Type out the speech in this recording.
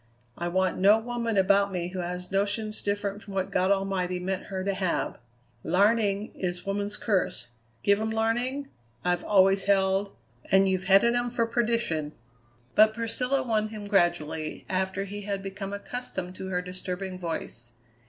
I want no woman about me who has notions different from what God Almighty meant her to have. Larning is woman's curse. Give 'em larning, I've always held, and you've headed 'em for perdition." But Priscilla won him gradually, after he had become accustomed to her disturbing voice.